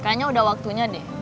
kayaknya udah waktunya dia